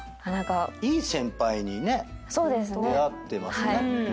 いい先輩にね出会ってますね。